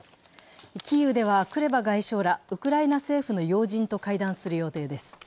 キーウではクレバ外相らウクライナ政府の要人と会談する予定です。